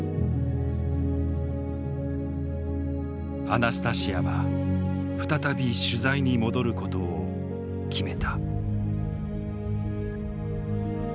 アナスタシヤは再び取材に戻ることを決めた。